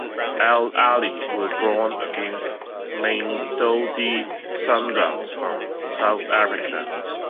Al Ahly were drawn against Mamelodi Sundowns from South Africa.